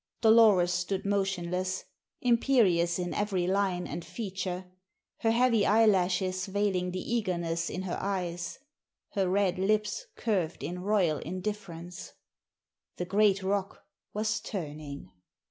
Dolores stood motionless, imperious in every line and feature, her heavy eyelashes veiling the eagerness in her eyes, her red lips curved in royal indifference. The great rock was turning.